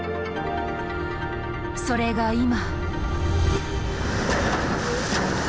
それが今！